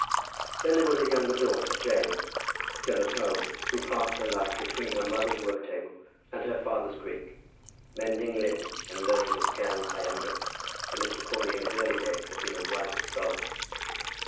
Then there was a younger daughter, Jane, still at home, who passed her life between her mother's work table and her father's Greek, mending linen and learning to scan iambics, for Mr. Crawley in his early days had been a ripe scholar.